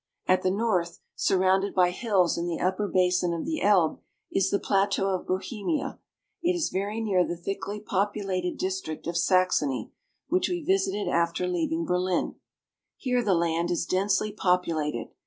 At the north, surrounded by hills in the upper basin of the Elbe, is the plateau of Bohemia. It is very near the thickly populated district of Saxony, which we visited after leaving Berlin. Here the land is densely populated.